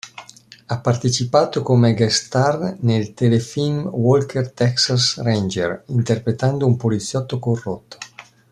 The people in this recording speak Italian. Ha partecipato come guest star nel telefilm Walker Texas Ranger interpretando un poliziotto corrotto.